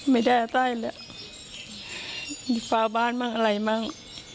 ไม่ได้อาต้อยแล้วมีฟ้าบ้านมั่งอะไรมั่ง